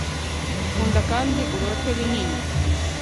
kunda kandi urote binini